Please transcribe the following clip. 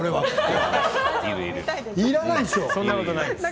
そんなことないです。